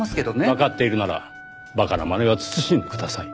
わかっているなら馬鹿なまねは慎んでください。